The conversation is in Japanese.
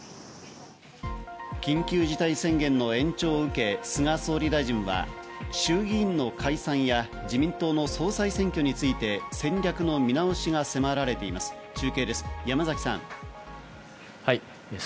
緊急事態宣言の延長を受け、菅総理大臣は衆議院の解散や自民党の総裁選挙について戦略の見直しが迫られています。